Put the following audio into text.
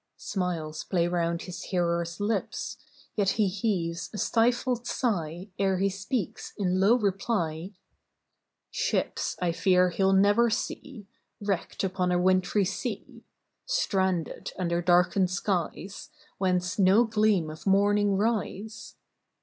Smiles play 'round his hearer's lips, Yet he heaves a stifled sigh, Ere he speaks in low reply :—" Ships I fear he'll never see, Wrecked upon a wintry sea; Stranded under darkened skies, Whence no gleams of Morning rise